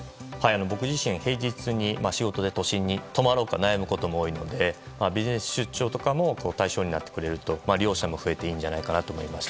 僕自身平日に仕事で都心に泊まろうか悩むことも多いのでビジネス出張とかも対象になってくれると利用者も増えていいと思いました。